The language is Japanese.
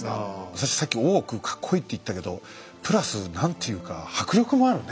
私さっき大奥かっこいいって言ったけどプラス何ていうか迫力もあるね。